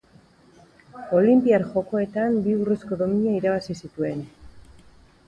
Olinpiar Jokoetan bi urrezko domina irabazi zituen.